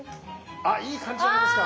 あいい感じじゃないですか！